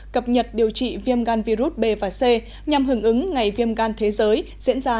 cập nhật điều trị viêm gan virus b và c nhằm hưởng ứng ngày viêm gan thế giới diễn ra